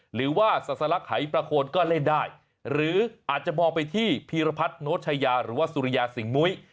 หรือว่าศาสลักหายประโคนก็เล่นได้หรืออาจจะมองไปที่พีรพัฒน์โนชยาหรือว่าสุริยาสิงหมุ้ย